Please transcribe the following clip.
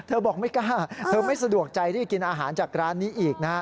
บอกไม่กล้าเธอไม่สะดวกใจที่กินอาหารจากร้านนี้อีกนะฮะ